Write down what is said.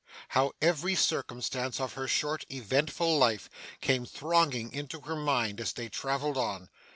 How every circumstance of her short, eventful life, came thronging into her mind, as they travelled on!